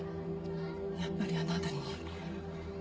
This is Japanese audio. やっぱりあの辺りに。